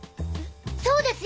そうですよ！